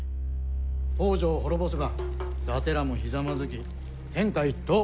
北条を滅ぼせば伊達らもひざまずき天下一統。